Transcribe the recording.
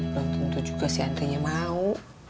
belum tentu juga si andri nya mau